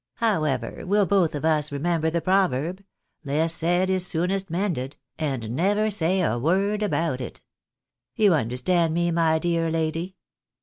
However, we'll both of us remember the proverb, ' least said is soonest mended,' and never say a word about it ; you understand me, my dear lady